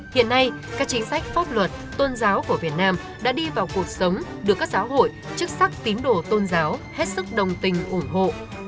hiện nay các chính sách pháp luật tôn giáo của việt nam đã đi vào cuộc sống được các giáo hội chức sắc tín đồ tôn giáo hết sức đồng tình ủng hộ